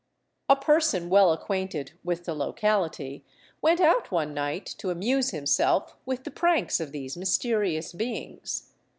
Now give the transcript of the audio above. A person well acquainted with the locality went out one night to amuse himself with the pranks of these mysterious beings.